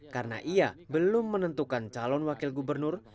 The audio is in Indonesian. karena ia belum menentukan calon wakil gubernur